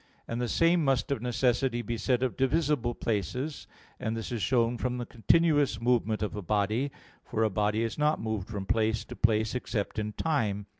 1. And the same must of necessity be said of divisible places: and this is shown from the continuous movement of a body. For a body is not moved from place to place except in time.